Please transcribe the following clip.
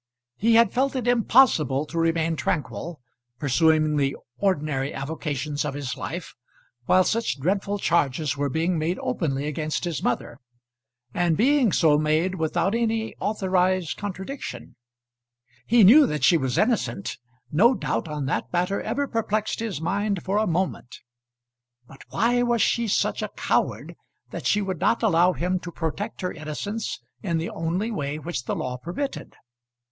He had felt it impossible to remain tranquil, pursuing the ordinary avocations of his life, while such dreadful charges were being made openly against his mother, and being so made without any authorised contradiction. He knew that she was innocent. No doubt on that matter ever perplexed his mind for a moment. But why was she such a coward that she would not allow him to protect her innocence in the only way which the law permitted?